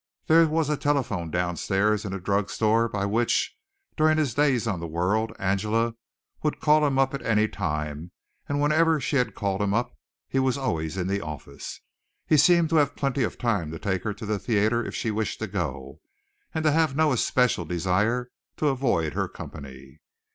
There was a telephone down stairs in a drug store by which, during his days on the World, Angela would call him up at any time, and whenever she had called him up he was always in the office. He seemed to have plenty of time to take her to the theatre if she wished to go, and to have no especial desire to avoid her company.